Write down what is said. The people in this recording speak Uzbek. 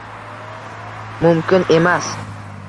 Мумкин эмас...